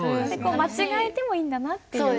間違えてもいいんだなっていう。